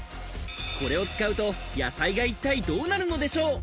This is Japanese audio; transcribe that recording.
これを使うと野菜が一体どうなるのでしょう？